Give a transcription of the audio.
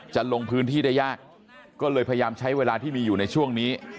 จะลงพื้นที่ได้ยากก็เลยพยายามใช้เวลาที่มีอยู่ในช่วงนี้